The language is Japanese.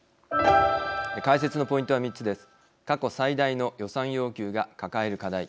解説のポイントは３つです。